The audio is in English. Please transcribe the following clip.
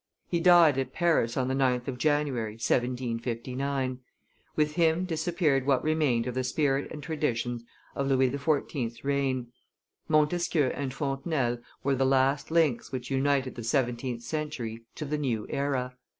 He died at Paris on the 9th of January, 1759; with him disappeared what remained of the spirit and traditions of Louis XIV.'s reign. Montesquieu and Fontenelle were the last links which united the seventeenth century to the new era.